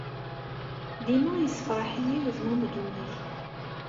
Dima yessefṛaḥ-iyi wezmumeg-nnek.